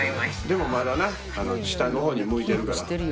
でもまだな下のほうに向いてるから。